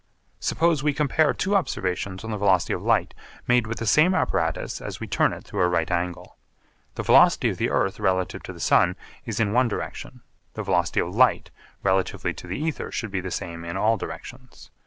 Suppose we compare two observations on the velocity of light made with the same apparatus as we turn it through a right angle. The velocity of the earth relatively to the sun is in one direction, the velocity of light relatively to the ether should be the same in all directions.